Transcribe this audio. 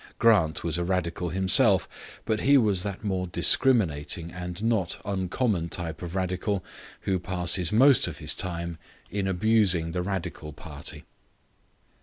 Grant was a Radical himself, but he was that more discriminating and not uncommon type of Radical who passes most of his time in abusing the Radical party.